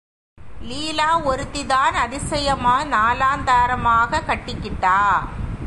லீலா ஒருத்தி தான் அதிசயமா நாலாந்தாரமாகக் கட்டிக்கிட்டா?